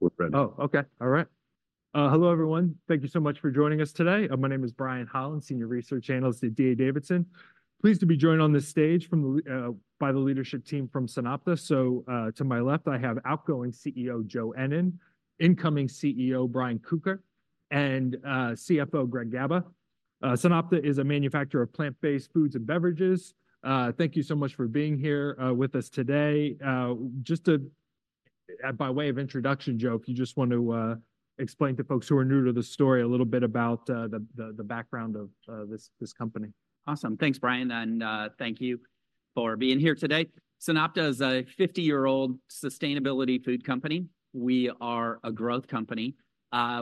We're ready. Hello, everyone. Thank you so much for joining us today. My name is Brian Holland, Senior Research Analyst at D.A. Davidson. Pleased to be joined on this stage by the leadership team from SunOpta. So, to my left, I have outgoing CEO, Joe Ennen; incoming CEO, Brian Kocher; and CFO, Greg Guba. SunOpta is a manufacturer of plant-based foods and beverages. Thank you so much for being here with us today. Just to, by way of introduction, Joe, if you just want to explain to folks who are new to the story a little bit about the background of this company. Awesome. Thanks, Brian, and thank you for being here today. SunOpta is a 50-year-old sustainability food company. We are a growth company.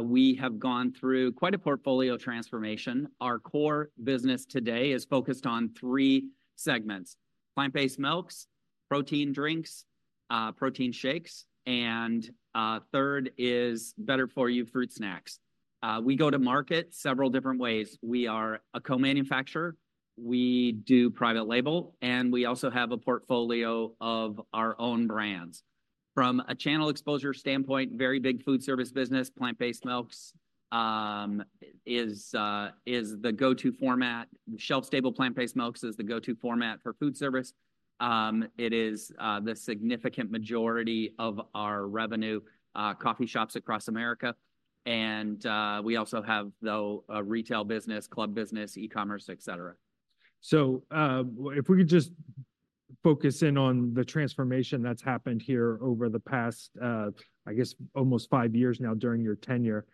We have gone through quite a portfolio transformation. Our core business today is focused on three segments: plant-based milks, protein drinks, protein shakes, and third is better-for-you fruit snacks. We go to market several different ways. We are a co-manufacturer, we do private label, and we also have a portfolio of our own brands. From a channel exposure standpoint, very big food service business. Plant-based milks is the go-to format. Shelf-stable plant-based milks is the go-to format for food service. It is the significant majority of our revenue, coffee shops across America, and we also have, though, a retail business, club business, e-commerce, et cetera. If we could just focus in on the transformation that's happened here over the past, I guess almost five years now during your tenure.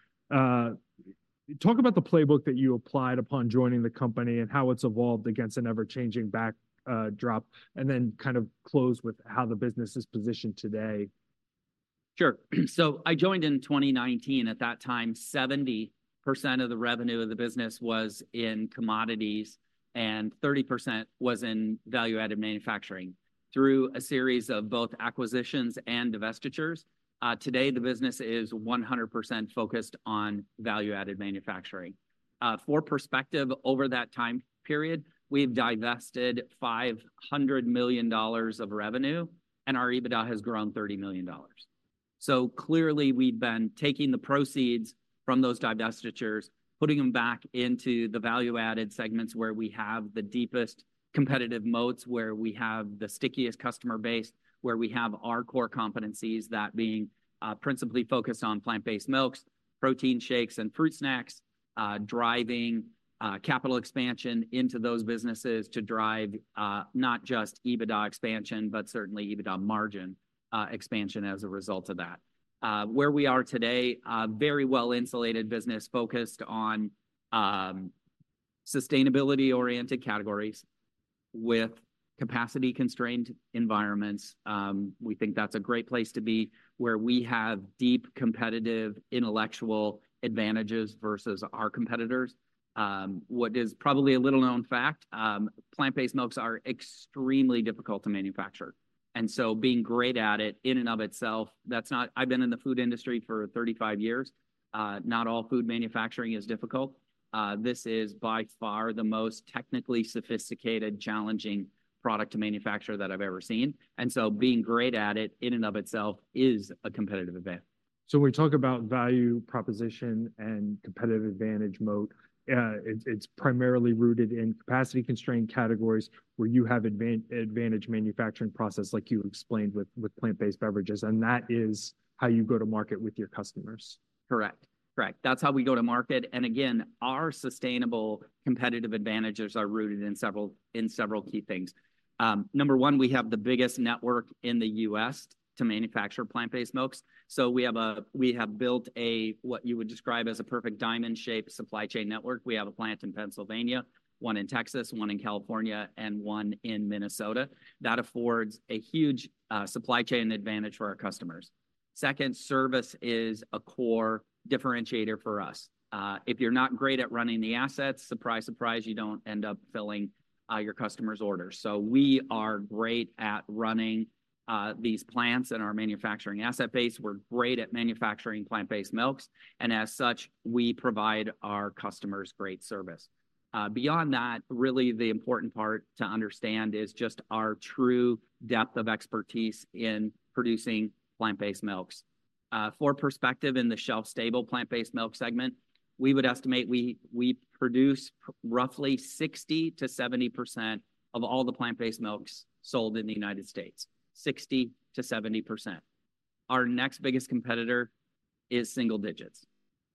Talk about the playbook that you applied upon joining the company and how it's evolved against an ever-changing backdrop, and then kind of close with how the business is positioned today. Sure. So I joined in 2019. At that time, 70% of the revenue of the business was in commodities, and 30% was in value-added manufacturing. Through a series of both acquisitions and divestitures, today the business is 100% focused on value-added manufacturing. For perspective, over that time period, we've divested $500 million of revenue, and our EBITDA has grown $30 million. So clearly, we've been taking the proceeds from those divestitures, putting them back into the value-added segments where we have the deepest competitive moats, where we have the stickiest customer base, where we have our core competencies that being principally focused on plant-based milks, protein shakes, and fruit snacks. Driving capital expansion into those businesses to drive not just EBITDA expansion, but certainly EBITDA margin expansion as a result of that. Where we are today, a very well-insulated business focused on sustainability-oriented categories with capacity-constrained environments. We think that's a great place to be, where we have deep competitive intellectual advantages versus our competitors. What is probably a little-known fact, plant-based milks are extremely difficult to manufacture, and so being great at it, in and of itself, that's not, I've been in the food industry for 35 years, not all food manufacturing is difficult. This is by far the most technically sophisticated, challenging product to manufacture that I've ever seen. And so being great at it, in and of itself, is a competitive advantage. So when we talk about value proposition and competitive advantage moat, it's primarily rooted in capacity-constrained categories where you have advantage manufacturing process, like you explained with plant-based beverages, and that is how you go to market with your customers? Correct. That's how we go to market. And again, our sustainable competitive advantages are rooted in several key things. Number one, we have the biggest network in the U.S. to manufacture plant-based milks. So we have built a, what you would describe as a perfect diamond shape supply chain network. We have a plant in Pennsylvania, one in Texas, one in California, and one in Minnesota. That affords a huge supply chain advantage for our customers. Second, service is a core differentiator for us. If you're not great at running the assets, surprise, surprise, you don't end up filling your customer's orders. So we are great at running these plants and our manufacturing asset base. We're great at manufacturing plant-based milks, and as such, we provide our customers great service. Beyond that, really the important part to understand is just our true depth of expertise in producing plant-based milks. For perspective, in the shelf-stable plant-based milk segment, we would estimate we produce roughly 60%-70% of all the plant-based milks sold in the United States. 60%-70%. Our next biggest competitor is single digits.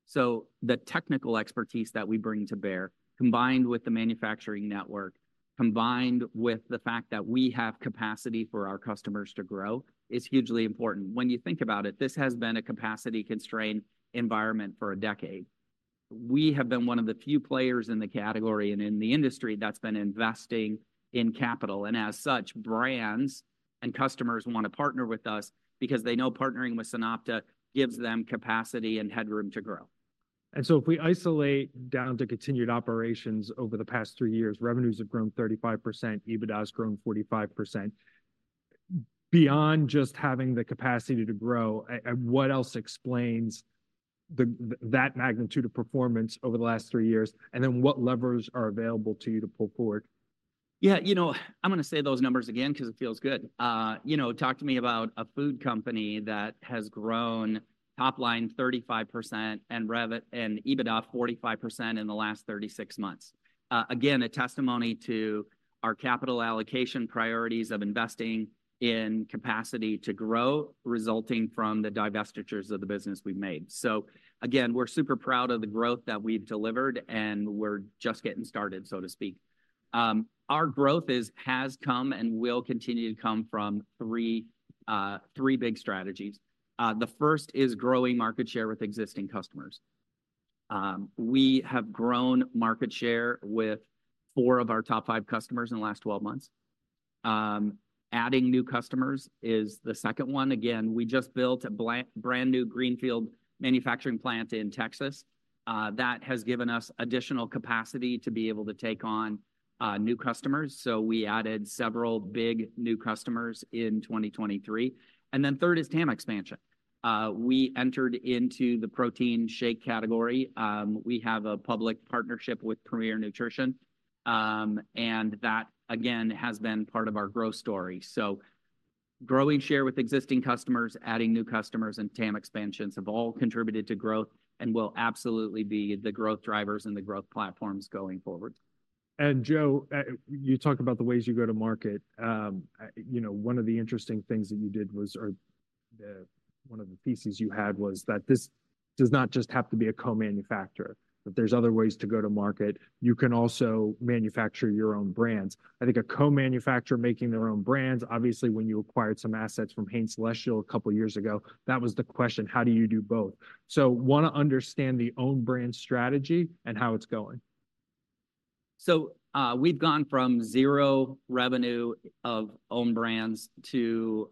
So the technical expertise that we bring to bear, combined with the manufacturing network, combined with the fact that we have capacity for our customers to grow, is hugely important. When you think about it, this has been a capacity-constrained environment for a decade. We have been one of the few players in the category and in the industry that's been investing in capital, and as such, brands and customers want to partner with us because they know partnering with SunOpta gives them capacity and headroom to grow. And so if we isolate down to continued operations over the past three years, revenues have grown 35%, EBITDA has grown 45%. Beyond just having the capacity to grow, what else explains that magnitude of performance over the last three years? And then what levers are available to you to pull forward? Yeah, you know, I'm gonna say those numbers again 'cause it feels good. You know, talk to me about a food company that has grown top line 35% and EBITDA 45% in the last 36 months. Again, a testimony to our capital allocation priorities of investing in capacity to grow, resulting from the divestitures of the business we've made. So again, we're super proud of the growth that we've delivered, and we're just getting started, so to speak. Our growth has come and will continue to come from three big strategies. The first is growing market share with existing customers. We have grown market share with four of our top five customers in the last 12 months. Adding new customers is the second one. Again, we just built a brand-new greenfield manufacturing plant in Texas that has given us additional capacity to be able to take on new customers. So we added several big new customers in 2023. And then third is TAM expansion. We entered into the protein shake category. We have a public partnership with Premier Nutrition, and that, again, has been part of our growth story. So growing share with existing customers, adding new customers, and TAM expansions have all contributed to growth and will absolutely be the growth drivers and the growth platforms going forward. Joe, you talk about the ways you go to market. You know, one of the interesting things that you did was, or one of the pieces you had was that this does not just have to be a co-manufacturer, that there's other ways to go to market. You can also manufacture your own brands. I think a co-manufacturer making their own brands, obviously, when you acquired some assets from Hain Celestial a couple years ago, that was the question: How do you do both? So wanna understand the own brand strategy and how it's going. So, we've gone from zero revenue of own brands to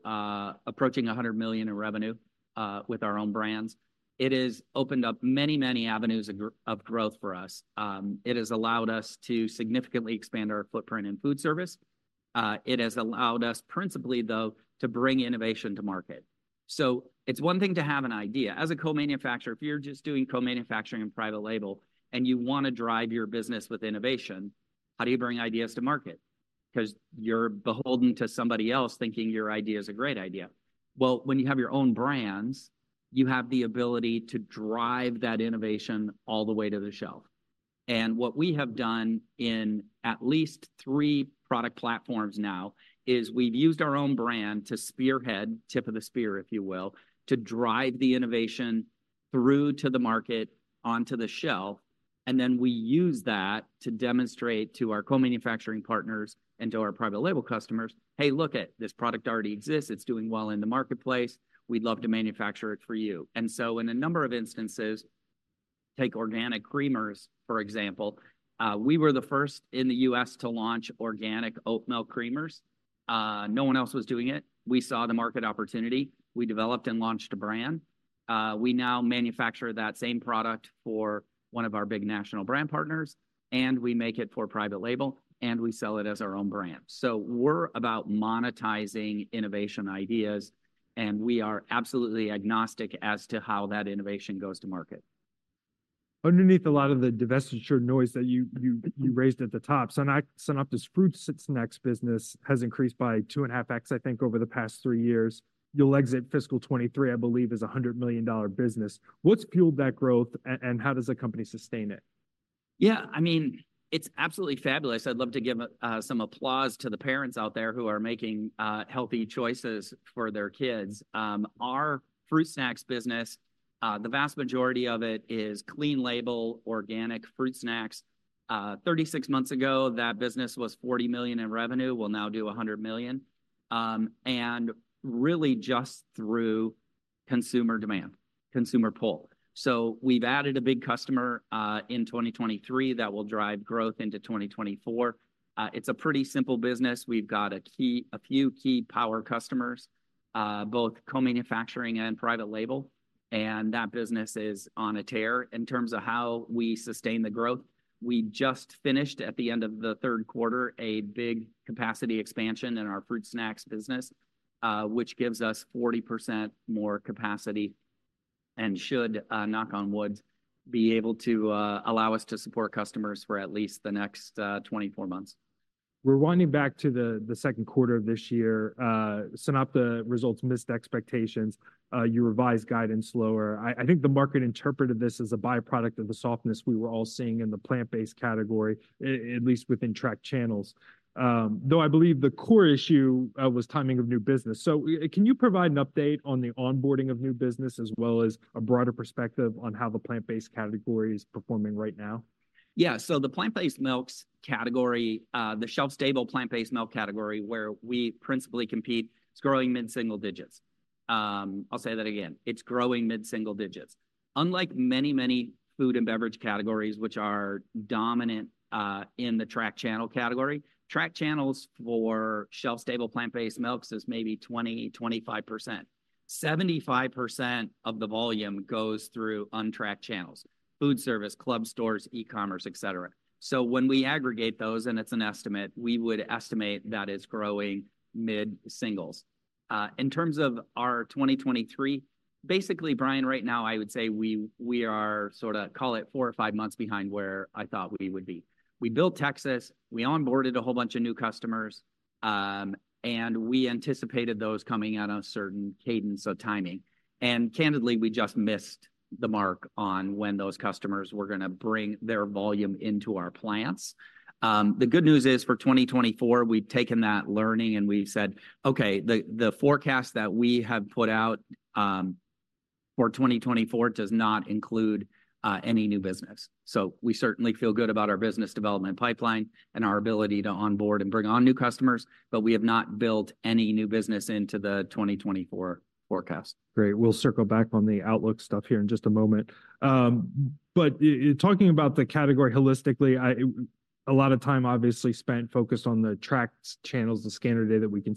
approaching $100 million in revenue with our own brands. It has opened up many, many avenues of growth for us. It has allowed us to significantly expand our footprint in food service. It has allowed us, principally though, to bring innovation to market. So it's one thing to have an idea. As a co-manufacturer, if you're just doing co-manufacturing and private label, and you wanna drive your business with innovation, how do you bring ideas to market? 'Cause you're beholden to somebody else thinking your idea is a great idea. Well, when you have your own brands, you have the ability to drive that innovation all the way to the shelf. And what we have done in at least three product platforms now is we've used our own brand to spearhead, tip of the spear, if you will, to drive the innovation through to the market, onto the shelf, and then we use that to demonstrate to our co-manufacturing partners and to our private label customers, "Hey, look it, this product already exists. It's doing well in the marketplace. We'd love to manufacture it for you." And so in a number of instances, take organic creamers, for example, we were the first in the U.S. to launch organic oat milk creamers. No one else was doing it. We saw the market opportunity. We developed and launched a brand. We now manufacture that same product for one of our big national brand partners, and we make it for private label, and we sell it as our own brand. We're about monetizing innovation ideas, and we are absolutely agnostic as to how that innovation goes to market. Underneath a lot of the divestiture noise that you raised at the top, SunOpta's fruit snacks business has increased by 2.5x, I think, over the past three years. You'll exit fiscal 2023, I believe, as a $100 million business. What's fueled that growth, and how does the company sustain it? Yeah, I mean, it's absolutely fabulous. I'd love to give some applause to the parents out there who are making healthy choices for their kids. Our fruit snacks business, the vast majority of it is clean label, organic fruit snacks. Thirty-six months ago, that business was $40 million in revenue, will now do $100 million, and really just through consumer demand, consumer pull. So we've added a big customer in 2023 that will drive growth into 2024. It's a pretty simple business. We've got a few key power customers, both co-manufacturing and private label, and that business is on a tear. In terms of how we sustain the growth, we just finished, at the end of the Q3, a big capacity expansion in our fruit snacks business, which gives us 40% more capacity and should, knock on wood, be able to allow us to support customers for at least the next 24 months. Rewinding back to the, the Q2 of this year, SunOpta results missed expectations, you revised guidance lower. I, I think the market interpreted this as a by-product of the softness we were all seeing in the plant-based category, at least within tracked channels. Though I believe the core issue was timing of new business. So can you provide an update on the onboarding of new business, as well as a broader perspective on how the plant-based category is performing right now? Yeah, so the plant-based milks category, the shelf-stable plant-based milk category, where we principally compete, it's growing mid-single digits. I'll say that again, it's growing mid-single digits. Unlike many, many food and beverage categories, which are dominant in the tracked channels category, tracked channels for shelf-stable plant-based milks is maybe 20%-25%. 75% of the volume goes through untracked channels: food service, club stores, e-commerce, et cetera. So when we aggregate those, and it's an estimate, we would estimate that it's growing mid-singles. In terms of our 2023, basically, Brian, right now, I would say we are sorta, call it four or five months behind where I thought we would be. We built Texas, we onboarded a whole bunch of new customers, and we anticipated those coming at a certain cadence of timing. And candidly, we just missed the mark on when those customers were gonna bring their volume into our plants. The good news is, for 2024, we've taken that learning, and we've said, "Okay, the forecast that we have put out for 2024 does not include any new business." So we certainly feel good about our business development pipeline and our ability to onboard and bring on new customers, but we have not built any new business into the 2024 forecast. Great. We'll circle back on the outlook stuff here in just a moment. But talking about the category holistically, a lot of time, obviously, spent focused on the tracked channels, the scanner data that we can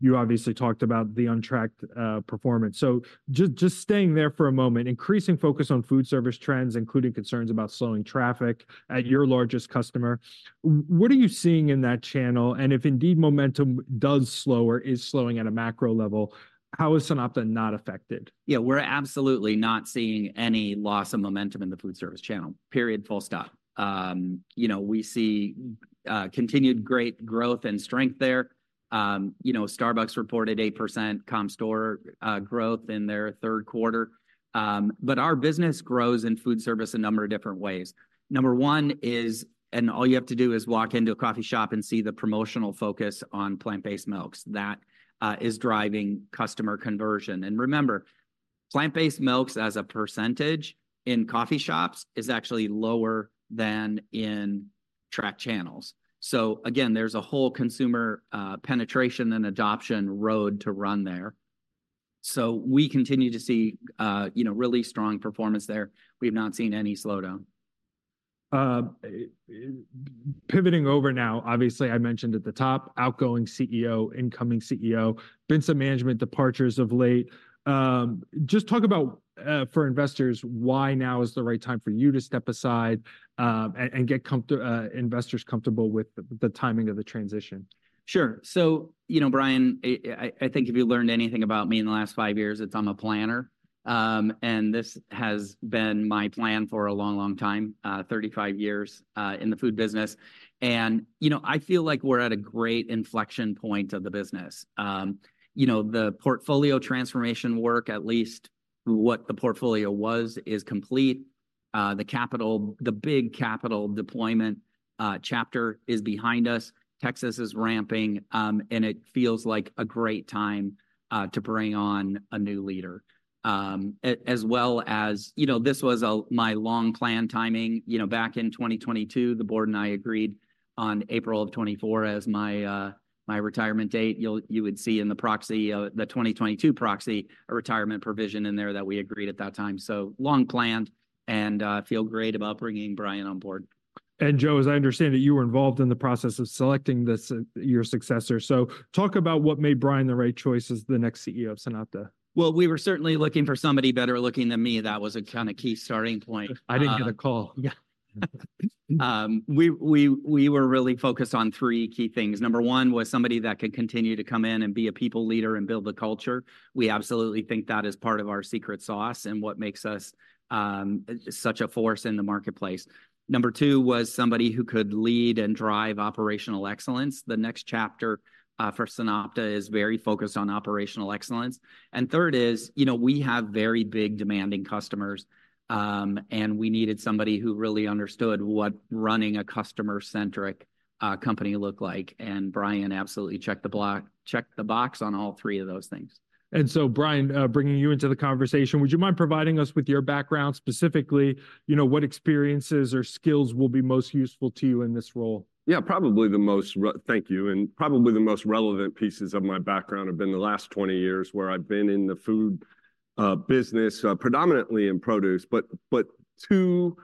see. You obviously talked about the untracked performance. So just staying there for a moment, increasing focus on food service trends, including concerns about slowing traffic at your largest customer, what are you seeing in that channel? And if indeed momentum does slow or is slowing at a macro level, how is SunOpta not affected? Yeah, we're absolutely not seeing any loss of momentum in the food service channel, period, full stop. You know, we see continued great growth and strength there. You know, Starbucks reported 8% comp store growth in their Q3. But our business grows in food service a number of different ways. Number one is, and all you have to do is walk into a coffee shop and see the promotional focus on plant-based milks. That is driving customer conversion. And remember, plant-based milks as a percentage in coffee shops is actually lower than in tracked channels. So again, there's a whole consumer penetration and adoption road to run there. So we continue to see, you know, really strong performance there. We have not seen any slowdown. Pivoting over now, obviously, I mentioned at the top, outgoing CEO, incoming CEO, been some management departures of late. Just talk about, for investors, why now is the right time for you to step aside, and get investors comfortable with the timing of the transition? Sure. So, you know, Brian I think if you learned anything about me in the last five years, it's I'm a planner. And this has been my plan for a long, long time, 35 years, in the food business. And, you know, I feel like we're at a great inflection point of the business. You know, the portfolio transformation work, at least what the portfolio was, is complete. The big capital deployment chapter is behind us. Texas is ramping, and it feels like a great time to bring on a new leader. As well as, you know, this was my long-planned timing. You know, back in 2022, the board and I agreed on April of 2024 as my retirement date. You would see in the proxy, the 2022 proxy, a retirement provision in there that we agreed at that time. So long planned and, I feel great about bringing Brian on board. Joe, as I understand it, you were involved in the process of selecting this, your successor. Talk about what made Brian the right choice as the next CEO of SunOpta. Well, we were certainly looking for somebody better looking than me. That was a kind of key starting point. I didn't get the call. We were really focused on three key things. Number one was somebody that could continue to come in and be a people leader and build the culture. We absolutely think that is part of our secret sauce and what makes us such a force in the marketplace. Number two was somebody who could lead and drive operational excellence. The next chapter for SunOpta is very focused on operational excellence. And third is, you know, we have very big, demanding customers, and we needed somebody who really understood what running a customer-centric company looked like, and Brian absolutely checked the box on all three of those things. And so, Brian, bringing you into the conversation, would you mind providing us with your background, specifically, you know, what experiences or skills will be most useful to you in this role? Yeah, probably the most relevant pieces of my background have been the last 20 years, where I've been in the food business, predominantly in produce. But two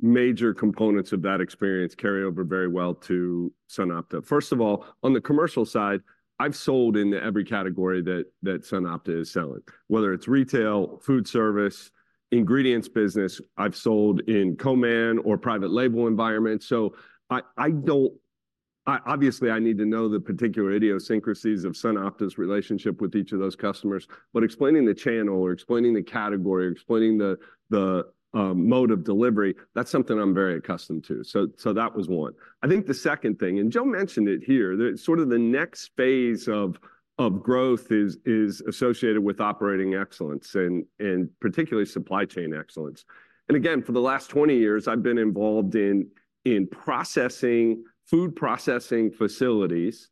major components of that experience carry over very well to SunOpta. First of all, on the commercial side, I've sold into every category that SunOpta is selling, whether it's retail, food service, ingredients business, I've sold in co-man or private label environments. So I don't, obviously, I need to know the particular idiosyncrasies of SunOpta's relationship with each of those customers, but explaining the channel or explaining the category or explaining the mode of delivery, that's something I'm very accustomed to. So that was one. I think the second thing, and Joe mentioned it here, sort of the next phase of growth is associated with operating excellence and particularly supply chain excellence. And again, for the last 20 years, I've been involved in processing, food processing facilities,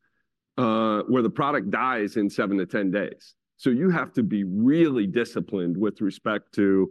where the product dies in seven-10 days. So you have to be really disciplined with respect to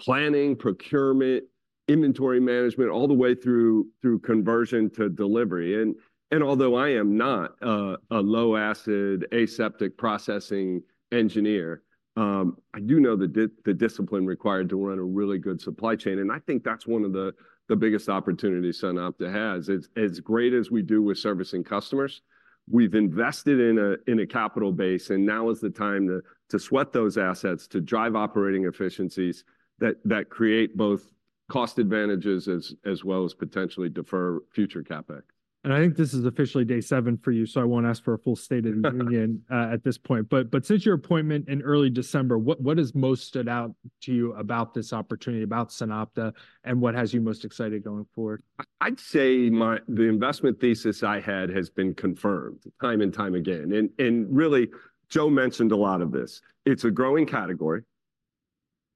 planning, procurement, inventory management, all the way through conversion to delivery. And although I am not a low-acid, aseptic-processing engineer, I do know the discipline required to run a really good supply chain, and I think that's one of the biggest opportunities SunOpta has. As great as we do with servicing customers, we've invested in a capital base, and now is the time to sweat those assets, to drive operating efficiencies that create both cost advantages as well as potentially defer future CapEx. And I think this is officially day seven for you, so I won't ask for a full state of the union at this point. But, but since your appointment in early December, what, what has most stood out to you about this opportunity, about SunOpta, and what has you most excited going forward? I'd say my the investment thesis I had has been confirmed time and time again. And really, Joe mentioned a lot of this. It's a growing category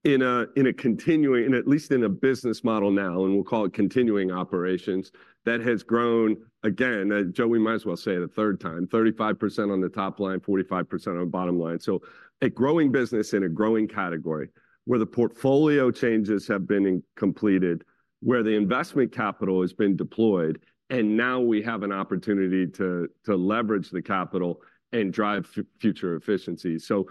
in a continuing, and at least in a business model now, and we'll call it continuing operations, that has grown, again, Joe, we might as well say it a third time, 35% on the top line, 45% on the bottom line. So a growing business in a growing category, where the portfolio changes have been implemented, where the investment capital has been deployed, and now we have an opportunity to leverage the capital and drive future efficiency. So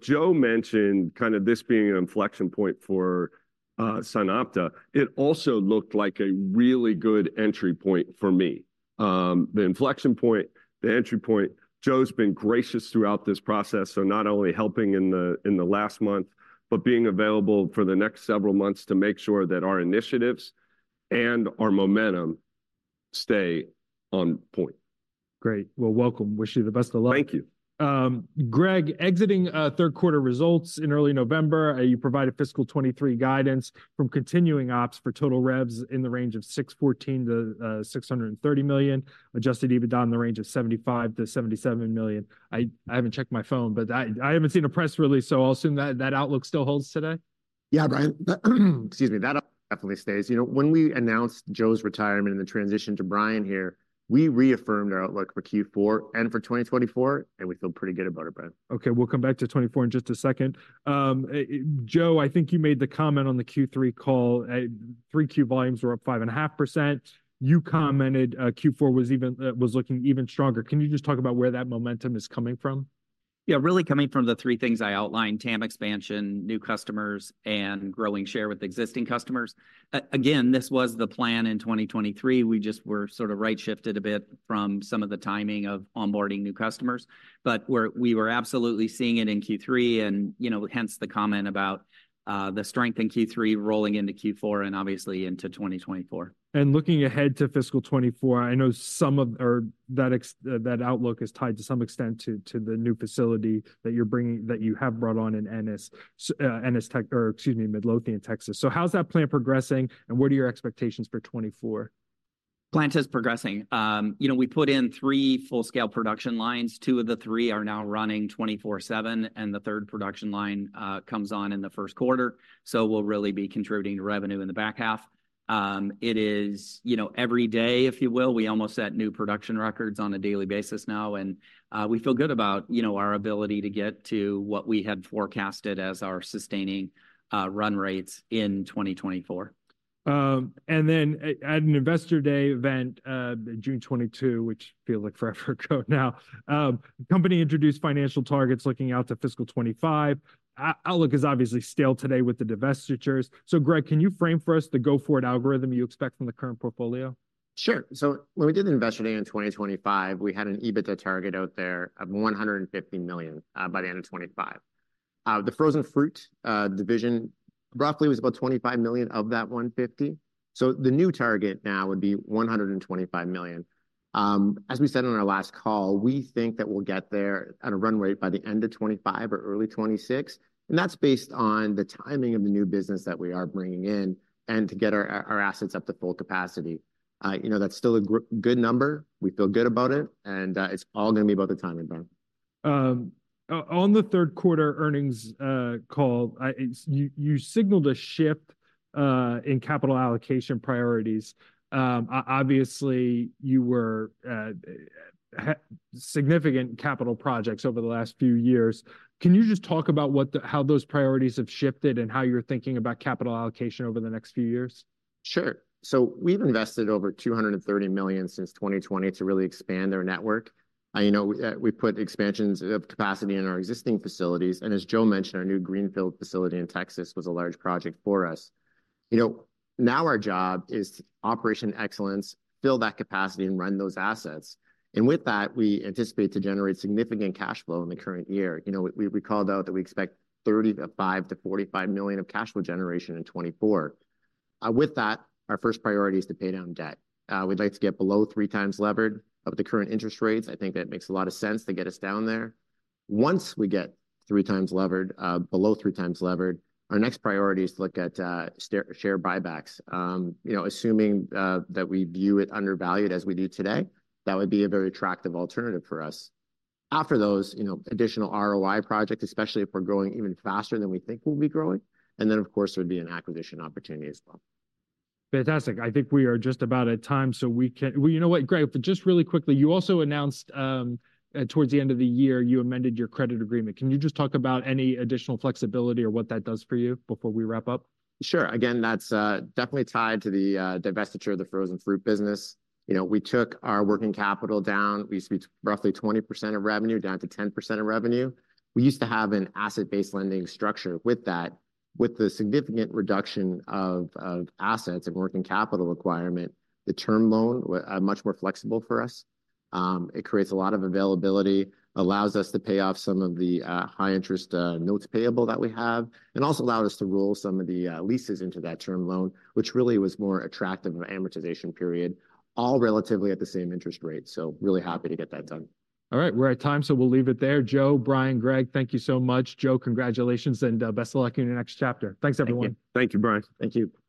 Joe mentioned kind of this being an inflection point for SunOpta. It also looked like a really good entry point for me. The inflection point, the entry point, Joe's been gracious throughout this process, so not only helping in the last month, but being available for the next several months to make sure that our initiatives and our momentum stay on point. Great. Well, welcome. Wish you the best of luck. Thank you. Greg, exiting Q3 results in early November, you provided fiscal 2023 guidance from continuing ops for total revs in the range of $614 million-$630 million, adjusted EBITDA in the range of $75 million-$77 million. I haven't checked my phone, but I haven't seen a press release, so I'll assume that outlook still holds today? Yeah, Brian, that, excuse me, that outlook definitely stays. You know, when we announced Joe's retirement and the transition to Brian here, we reaffirmed our outlook for Q4 and for 2024, and we feel pretty good about it, Brian. Okay, we'll come back to 2024 in just a second. Joe, I think you made the comment on the Q3 call, Q3 volumes were up 5.5%. You commented, Q4 was looking even stronger. Can you just talk about where that momentum is coming from? Yeah, really coming from the three things I outlined: TAM expansion, new customers, and growing share with existing customers. Again, this was the plan in 2023. We just were sort of right-shifted a bit from some of the timing of onboarding new customers. But we were absolutely seeing it in Q3, and, you know, hence the comment about the strength in Q3 rolling into Q4, and obviously into 2024. And looking ahead to fiscal 2024, I know that outlook is tied to some extent to the new facility that you're bringing, that you have brought on in or excuse me, Midlothian, Texas. So how's that plant progressing, and what are your expectations for 2024? Plant is progressing. You know, we put in three full-scale production lines. Two of the three are now running 24/7, and the third production line comes on in the Q1, so we'll really be contributing to revenue in the back half. It is, you know, every day, if you will, we almost set new production records on a daily basis now, and we feel good about, you know, our ability to get to what we had forecasted as our sustaining run rates in 2024. And then at an Investor Day event, June 2022, which feels like forever ago now, the company introduced financial targets looking out to fiscal 2025. Outlook is obviously stale today with the divestitures. So Greg, can you frame for us the go-forward algorithm you expect from the current portfolio? Sure. So when we did the Investor Day in 2025, we had an EBITDA target out there of $150 million by the end of 2025. The frozen fruit division roughly was about $25 million of that 150, so the new target now would be $125 million. As we said on our last call, we think that we'll get there at a run rate by the end of 2025 or early 2026, and that's based on the timing of the new business that we are bringing in, and to get our assets up to full capacity. You know, that's still a good number. We feel good about it, and it's all gonna be about the timing, Brian. On the Q3 earnings call, you signalled a shift in capital allocation priorities. Obviously, you had significant capital projects over the last few years. Can you just talk about what, how those priorities have shifted, and how you're thinking about capital allocation over the next few years? Sure. So we've invested over $230 million since 2020 to really expand our network. You know, we've put expansions of capacity in our existing facilities, and as Joe mentioned, our new greenfield facility in Texas was a large project for us. You know, now our job is operational excellence, fill that capacity, and run those assets. And with that, we anticipate to generate significant cash flow in the current year. You know, we called out that we expect $35 million-$45 million of cash flow generation in 2024. With that, our first priority is to pay down debt. We'd like to get below three times levered. At the current interest rates, I think that makes a lot of sense to get us down there. Once we get 3x levered, below 3x levered, our next priority is to look at share buybacks. You know, assuming that we view it undervalued as we do today, that would be a very attractive alternative for us. After those, you know, additional ROI projects, especially if we're growing even faster than we think we'll be growing, and then, of course, there would be an acquisition opportunity as well. Fantastic. I think we are just about at time, so we can.. Well, you know what, Greg, just really quickly, you also announced towards the end of the year, you amended your credit agreement. Can you just talk about any additional flexibility or what that does for you before we wrap up? Sure. Again, that's definitely tied to the divestiture of the frozen fruit business. You know, we took our working capital down. We used to be roughly 20% of revenue, down to 10% of revenue. We used to have an asset-based lending structure with that. With the significant reduction of assets and working capital requirement, the term loan were much more flexible for us. It creates a lot of availability, allows us to pay off some of the high-interest notes payable that we have, and also allowed us to roll some of the leases into that term loan, which really was more attractive of an amortization period, all relatively at the same interest rate. So really happy to get that done. All right, we're at time, so we'll leave it there. Joe, Brian, Greg, thank you so much. Joe, congratulations, and best of luck in your next chapter. Thanks, everyone. Thank you. Thank you, Brian. Thank you.